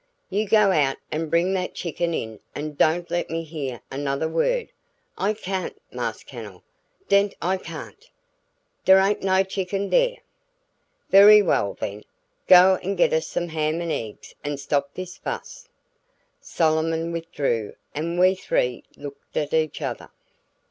"You go out and bring that chicken in and don't let me hear another word." "I cayn't, Marse Cunnel, 'deed I cayn't. Dere ain't no chicken dere." "Very well, then! Go and get us some ham and eggs and stop this fuss." Solomon withdrew and we three looked at each other.